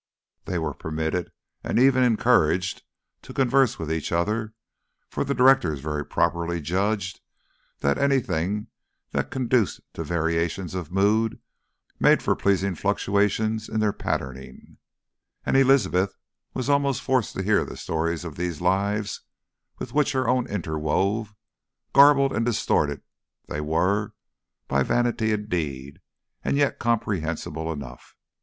They were permitted, and even encouraged to converse with each other, for the directors very properly judged that anything that conduced to variations of mood made for pleasing fluctuations in their patterning; and Elizabeth was almost forced to hear the stories of these lives with which her own interwove: garbled and distorted they were by vanity indeed and yet comprehensible enough.